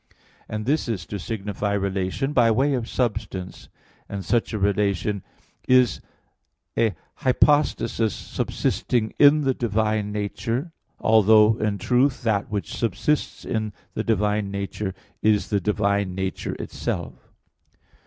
And this is to signify relation by way of substance, and such a relation is a hypostasis subsisting in the divine nature, although in truth that which subsists in the divine nature is the divine nature itself.